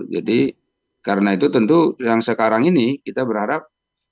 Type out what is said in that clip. karena itu tentu yang sekarang ini kita berharap